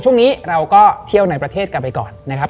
ช่วงนี้เราก็เที่ยวในประเทศกันไปก่อนนะครับ